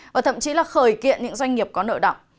và thậm chí là khởi kiện những doanh nghiệp có nợ động